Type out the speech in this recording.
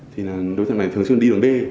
thì đối tượng này thường xuyên đi đường d